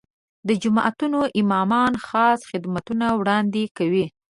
د جوماتونو امامان خاص خدمتونه وړاندې کوي.